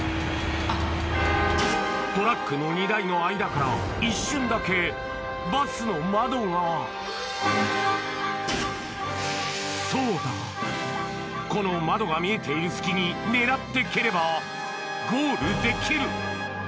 トラックの荷台の間から一瞬だけバスの窓がそうだこの窓が見えている隙に狙って蹴ればゴールできる！